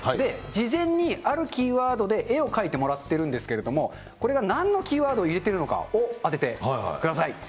事前にあるキーワードで絵を描いてもらってるんですけれども、これがなんのキーワードを入れてるのかを当ててください。